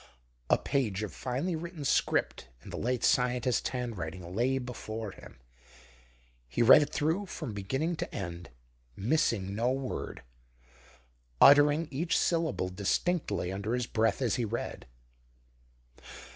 A page of finely written script in the late scientist's handwriting lay before him. He read it through from beginning to end, missing no word, uttering each syllable distinctly under his breath as he read.